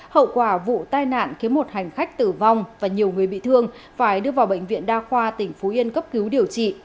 hậu quả vụ tai nạn khiến một hành khách tử vong và nhiều người bị thương phải đưa vào bệnh viện đa khoa tỉnh phú yên cấp cứu điều trị